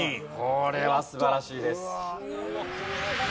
これは素晴らしいです。